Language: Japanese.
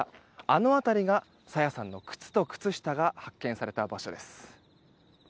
あの辺りが朝芽さんの靴と靴下が発見された場所です。